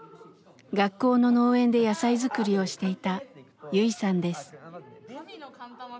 学校の農園で野菜作りをしていたユイさんです。